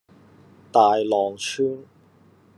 大浪村